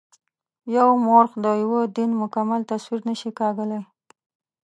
یو مورخ د یوه دین مکمل تصویر نه شي کاږلای.